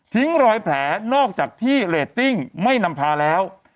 รอยแผลนอกจากที่เรตติ้งไม่นำพาแล้ว